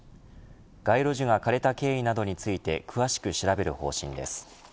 街路樹が枯れた経緯などについて詳しく調べる方針です。